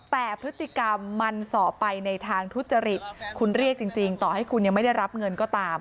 แต่พฤติกรรมมันสอบไปในทางทุจริตคุณเรียกจริงต่อให้คุณยังไม่ได้รับเงินก็ตาม